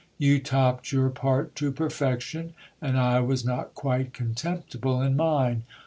You topped your part to perfection, and I was not quite contemptible in mine.